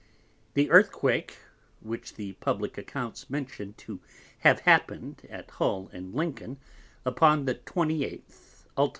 The Earthquake, which the Publick Accounts mention to have happen'd at Hull and Lincoln upon the 28th _ult.